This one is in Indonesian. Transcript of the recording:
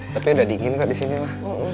tapi udah dingin kok di sini ma